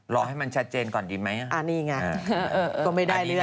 รอให้มันใช้เจนก่อนดีไหม